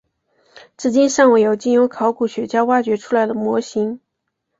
至今尚未有经由考古学家挖掘出来的模型。